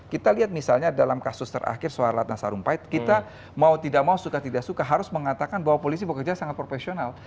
kita lihat misalnya dalam kasus terakhir soal ratna sarumpait kita mau tidak mau suka tidak suka harus mengatakan bahwa polisi bekerja sangat profesional